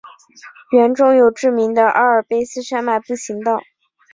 园中有知名的阿尔卑斯山脉步行道。